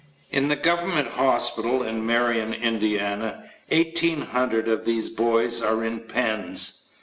In the government hospital in Marion, Indiana, 1,800 of these boys are in pens!